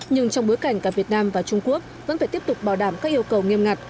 nhưng trong bối cảnh cả việt nam và trung quốc vẫn phải tiếp tục bảo đảm các yêu cầu nghiêm ngặt